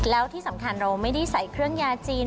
แล้วที่สำคัญเราไม่ได้ใส่เครื่องยาจีน